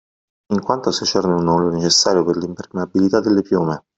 In quanto secerne un olio necessario per l’impermeabilità delle piume